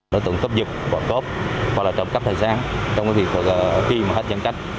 đối tượng cấp dực bỏ cốp hoặc là trộm cắp tài sản trong cái việc khi mà hết giãn cách